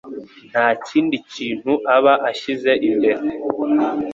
nta kindi kintu aba ashyize imbere